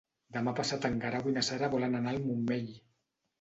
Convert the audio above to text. Demà passat en Guerau i na Sara volen anar al Montmell.